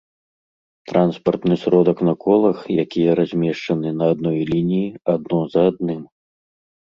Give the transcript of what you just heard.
транспартны сродак на колах, якія размешчаны на адной лініі адно за адным